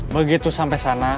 begitu sampe sana